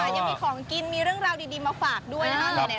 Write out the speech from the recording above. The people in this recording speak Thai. ยังมีของกินมีเรื่องราวดีมาฝากด้วยนะครับ